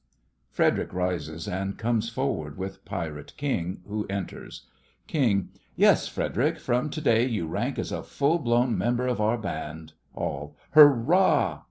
(FREDERIC rises and comes forward with PIRATE KING, who enters) KING: Yes, Frederic, from to day you rank as a full blown member of our band. ALL: Hurrah!